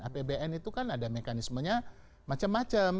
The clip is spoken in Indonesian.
apbn itu kan ada mekanismenya macam macam